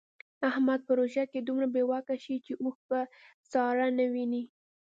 احمد په روژه کې دومره بې واکه شي چې اوښ په ساره نه ویني.